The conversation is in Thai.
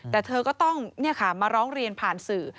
แต่เธอก็ต้องมาร้องเรียนผ่านสื่อ